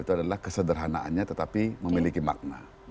itu adalah kesederhanaannya tetapi memiliki makna